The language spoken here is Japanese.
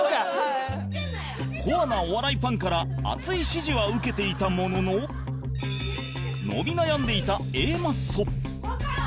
コアなお笑いファンから熱い支持は受けていたものの伸び悩んでいた Ａ マッソ